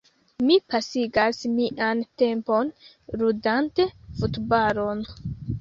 Mi pasigas mian tempon ludante futbalon.